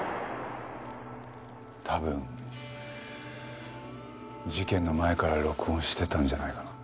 多分事件の前から録音してたんじゃないかな。